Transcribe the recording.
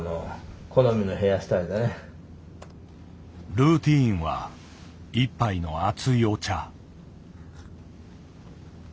ルーティーンは一杯の熱いお茶。